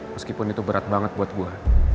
meskipun itu berat banget buat gue